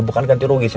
bukan ganti rugi sih